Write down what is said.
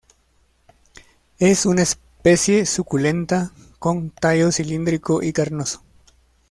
Es una especie suculenta con tallo cilíndrico y carnoso.